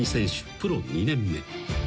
プロ２年目］